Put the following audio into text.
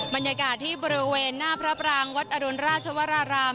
บริเวณหน้าพระปรางวัดอรุณราชวรราม